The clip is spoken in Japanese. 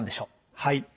はい。